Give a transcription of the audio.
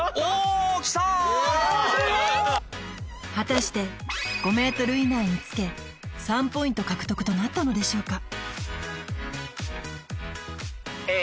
果たして５ｍ以内につけ３ポイント獲得となったのでしょうか？